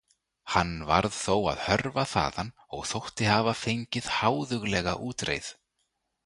Hann varð þó að hörfa þaðan og þótti hafa fengið háðuglega útreið.